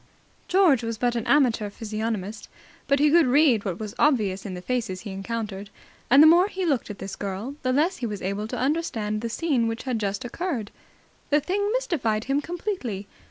George was but an amateur physiognomist, but he could read what was obvious in the faces he encountered; and the more he looked at this girl, the less he was able to understand the scene which had just occurred. The thing mystified him completely.